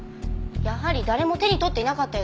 やはり誰も手に取っていなかったようです。